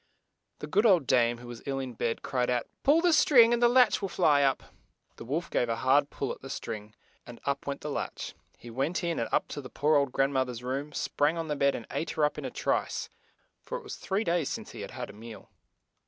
The good old dame, who was ill in bed, cried out, "Pull the string and the latch will fly up." The wolf gave a hard pull at the string, and up went the latch. He went in, and up to the poor old grand moth er's room, sprang on the bed and ate her up in a trice, for it was three days since he had had a meal.